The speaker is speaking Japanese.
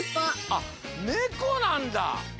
あっネコなんだ。